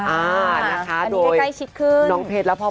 อันนี้ใกล้ชิดขึ้นโดยน้องเพชรและพ่อปุ้ม